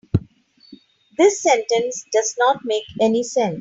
This sentence does not make any sense.